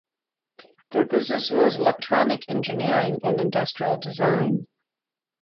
Their business was electronic engineering and industrial design.